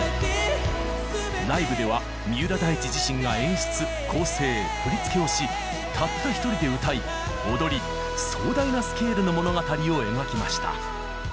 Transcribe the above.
ライブでは三浦大知自身が演出構成振り付けをしたったひとりで歌い踊り壮大なスケールの物語を描きました。